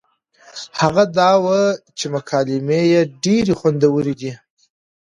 هغه دا وه چې مکالمې يې ډېرې خوندورې دي